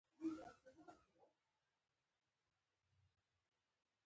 سید حسن خان د سید حسین پاچا زوی و.